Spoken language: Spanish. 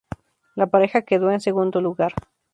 La pareja quedó en segundo lugar.